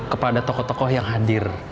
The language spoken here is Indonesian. kepada tokoh tokoh yang hadir